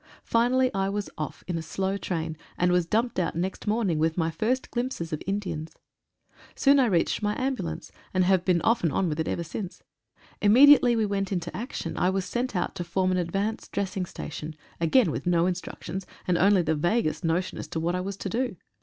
Finally I was off in a slow train, and was dumped out next morning with my first glimpses of Indians. Soon I reached my ambulance, and have been off and on with it ever since. Imme diately we went into action I was sent out to form an advanced dressing station, again with no instructions, and only the vaguest notion as to what I was to do.